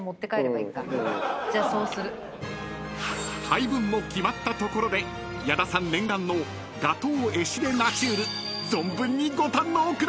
［配分も決まったところで矢田さん念願のガトー・エシレナチュール存分にご堪能ください！］